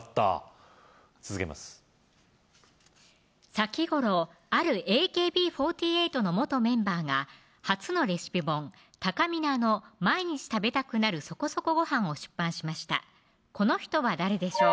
先頃あるＡＫＢ４８の元メンバーが初のレシピ本たかみなの毎日食べたくなるそこそこごはこの人は誰でしょう